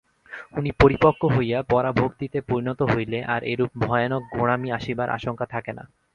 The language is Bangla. উহা পরিপক্ব হইয়া পরাভক্তিতে পরিণত হইলে আর এরূপ ভয়ানক গোঁড়ামি আসিবার আশঙ্কা থাকে না।